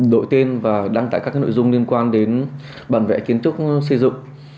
đội tên và đăng tải các nội dung liên quan đến bản vẽ kiến thức xây dựng